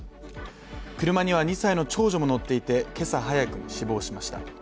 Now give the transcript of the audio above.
車には２歳の長女も乗っていて、今朝早くに死亡しました。